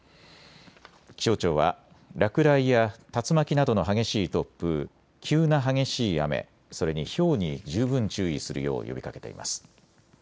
気象庁は落雷や竜巻などの激しい突風、急な激しい雨、それにひょうに十分注意するよう呼びかけています。